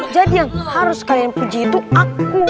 jadi yang harus kalian puji itu aku